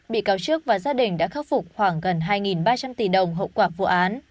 bị cáo trước và gia đình đã khắc phục khoảng gần hai ba trăm linh tỷ đồng hậu quả vụ án